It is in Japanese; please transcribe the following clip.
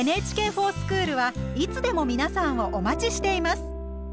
「ＮＨＫｆｏｒＳｃｈｏｏｌ」はいつでも皆さんをお待ちしています！